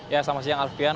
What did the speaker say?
ya selamat siang alfian